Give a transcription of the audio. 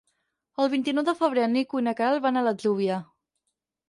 El vint-i-nou de febrer en Nico i na Queralt van a l'Atzúbia.